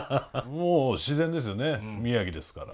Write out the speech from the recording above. もう自然ですよね宮城ですから。